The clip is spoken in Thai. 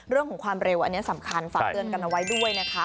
เรื่องของความเร็วอันนี้สำคัญฝากเตือนกันเอาไว้ด้วยนะคะ